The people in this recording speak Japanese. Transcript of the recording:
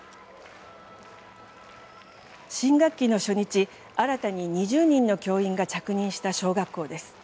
新学期の初日、新たに２０人の教員が着任した小学校です。